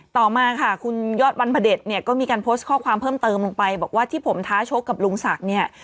ต่อมาค่ะคุณยอดวันพระเด็จเนี่ยก็มีการโพสต์ข้อความเพิ่มเติมลงไปบอกว่าที่ผมท้าชกกับลุงศักดิ์เนี่ย